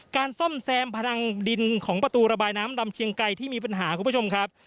ซ่อมแซมพลังดินของประตูระบายน้ำลำเชียงไก่ที่มีปัญหาคุณผู้ชมครับ